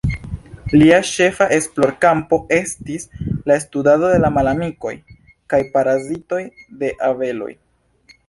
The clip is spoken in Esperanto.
Lia ĉefa esplorkampo estis la studado de la malamikoj kaj parazitoj de abeloj.